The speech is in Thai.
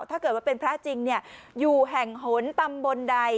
ถ้าเกิดว่าเป็นพระจริงอยู่แห่งหนตำบลใด